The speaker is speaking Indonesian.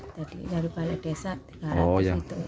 dari balik desa tiga ratus itu